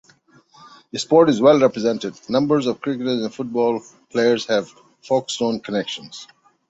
Sport is well represented: numbers of cricketers and football players have Folkestone connections.